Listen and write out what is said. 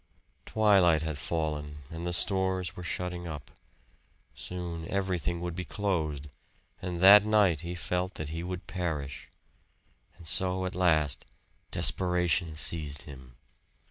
Twilight had fallen and the stores were shutting up. Soon everything would be closed; and that night he felt that he would perish. And so at last desperation seized him.